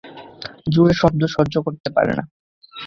জোরে শব্দ সহ্য করতে পারে না।